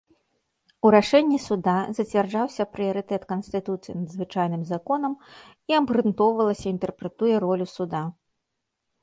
У рашэнні суда зацвярджаўся прыярытэт канстытуцыі над звычайным законам і абгрунтоўвалася інтэрпрэтуе ролю суда.